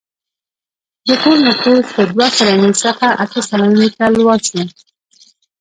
د ټول نفوس له دوه سلنې څخه اته سلنې ته لوړ شو.